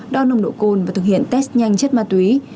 đo nồng độ cồn và thực hiện test nhanh chất ma túy